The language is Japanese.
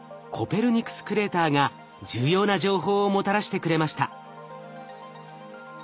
コペルニクスクレーターが重要な情報をもたらしてくれました。